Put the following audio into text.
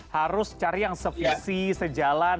harus cari yang se visi se jalan